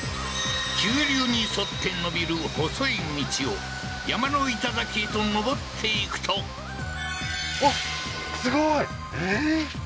急流に沿って延びる細い道を山の頂へと上っていくとあっすごいええー？